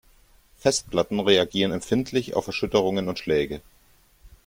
Festplatten reagieren empfindlich auf Erschütterungen und Schläge.